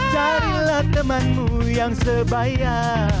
carilah temanmu yang sebaya